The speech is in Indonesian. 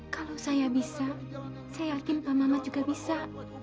kalau saya bisa saya yakin pak mamat juga bisa